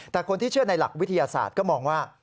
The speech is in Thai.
แต่คนที่เชื่อในหลักวิทยาศาสตร์ก็มองว่า